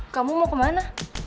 kamu mau kemana